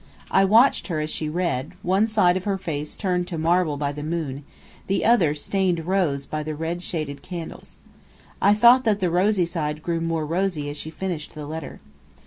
I watched her as she read, one side of her face turned to marble by the moon, the other stained rose by the red shaded candles. I thought that the rosy side grew more rosy as she finished the letter.